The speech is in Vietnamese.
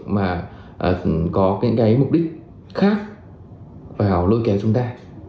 mà có cái mục đích khác vào lôi kéo chúng ta